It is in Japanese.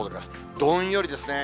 どんよりですね。